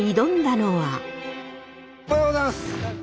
おはようございます。